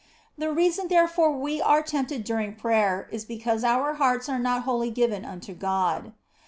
The reason wherefore we are tempted during prayer is because our hearts are not wholly given unto God.